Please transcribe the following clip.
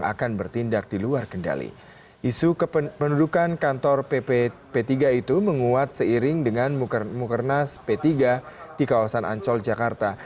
gali putra jakarta